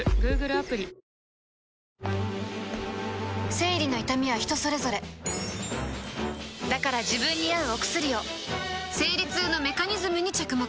生理の痛みは人それぞれだから自分に合うお薬を生理痛のメカニズムに着目